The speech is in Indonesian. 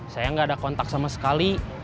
saya nggak ada kontak sama sekali